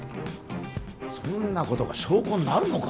そんなことが証拠になるのか？